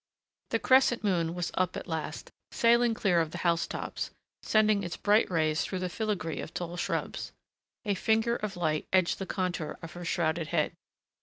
The crescent moon was up at last, sailing clear of the house tops, sending its bright rays through the filigree of tall shrubs. A finger of light edged the contour of her shrouded head.